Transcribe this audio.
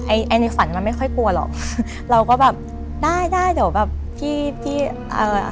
ไอ้ไอ้ในฝันมันไม่ค่อยกลัวหรอกเราก็แบบได้ได้เดี๋ยวแบบพี่พี่เอ่อ